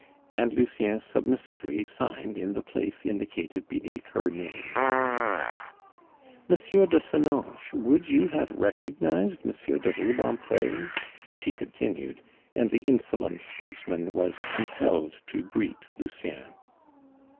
And Lucien submissively signed in the place indicated beneath her name. "M. de Senonches, would you have recognized M. de Rubempre?" she continued, and the insolent sportsman was compelled to greet Lucien.